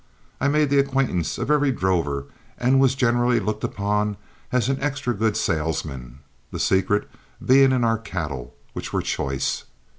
I made the acquaintance of every drover and was generally looked upon as an extra good salesman, the secret being in our cattle, which were choice.